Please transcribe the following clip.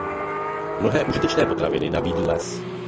Mnohé užitečné potraviny nabídl les.